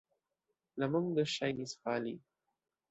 La mondo ŝajnis fali.